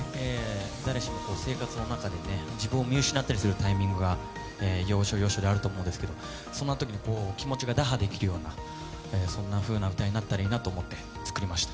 生活の中で自分を見失ったりすることがあると思うんですけれども、そんなときに気持ちが打破できるようなそんなふうな歌になってほしいなと思って作りました。